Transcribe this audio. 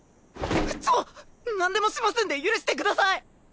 ちょっ何でもしますんで許してください！